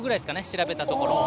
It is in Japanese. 調べたところ。